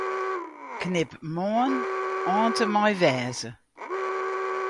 Knip 'Moarn' oant en mei 'wêze'.